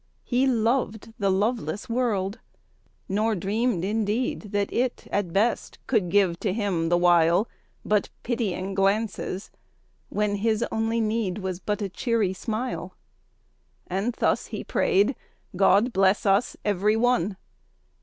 He loved the loveless world, nor dreamed, in deed. That it, at best, could give to him, the while. But pitying glances, when his only need Was but a cheery smile. And thus he prayed, " God bless us every one!"